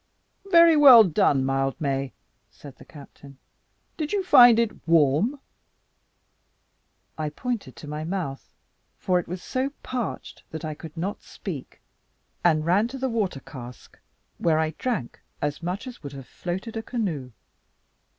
"Very well done, Mildmay," said the captain; "did you find it warm?" I pointed to my mouth, for it was so parched that I could not speak, and ran to the water cask, where I drank as much as would have floated a canoe.